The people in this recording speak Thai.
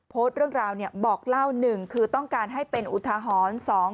โพสต์เรื่องราวบอกเล่าหนึ่งคือต้องการให้เป็นอุทาหรณ์